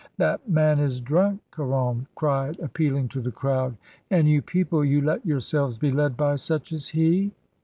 "That man is drunk," Caron cried, appealing to the crowd; "and you people — you let yourselves be led by such as he?"